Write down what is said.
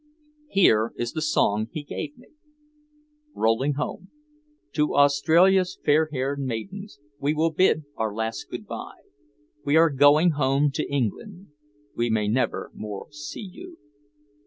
Here is the song he gave me: ROLLING HOME To Australia's fair haired maidens We will bid our last good bye. We are going home to England, We may never more see you.